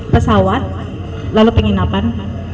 pesawat lalu penginapan